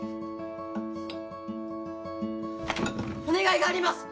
お願いがあります！